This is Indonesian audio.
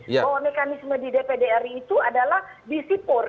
bahwa mekanisme di dpd ri itu adalah disipur